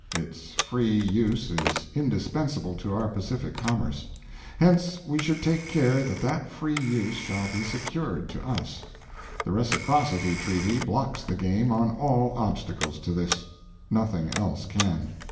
Its free use is indispensable to our Pacific commerce. Hence we should take care that that free use shall be secured to us. The reciprocity treaty blocks the game on all obstacles to this. Nothing else can.